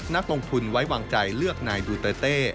นักลงทุนไว้วางใจเลือกนายดูเตอร์เต้